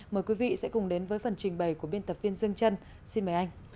mời quý vị sẽ cùng đến với phần trình bày của biên tập viên dương chân xin mời anh